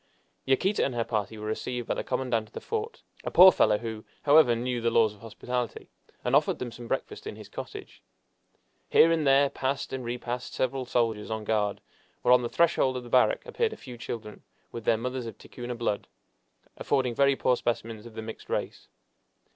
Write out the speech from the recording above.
Yaquita and her party were received by the commandant of the fort, a poor fellow who, however, knew the laws of hospitality, and offered them some breakfast in his cottage. Here and there passed and repassed several soldiers on guard, while on the threshold of the barrack appeared a few children, with their mothers of Ticuna blood, affording very poor specimens of the mixed race.